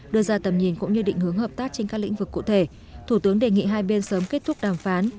đưa ra tầm nhìn cũng như định hướng hợp tác trên các lĩnh vực cụ thể thủ tướng đề nghị hai bên sớm kết thúc đàm phán